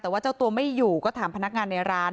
แต่ว่าเจ้าตัวไม่อยู่ก็ถามพนักงานในร้าน